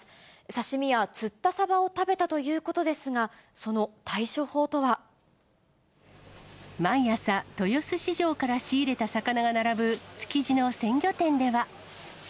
刺身や釣ったサバを食べたということですが、毎朝、豊洲市場から仕入れた魚が並ぶ築地の鮮魚店では。